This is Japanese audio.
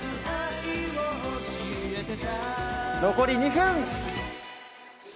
残り２分！